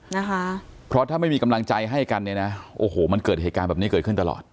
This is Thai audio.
นะคะเพราะถ้าไม่มีกำลังใจให้กันเนี่ยนะโอ้โหมันเกิดเหตุการณ์แบบนี้เกิดขึ้นตลอด